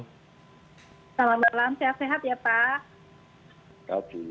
selamat malam sehat sehat ya pak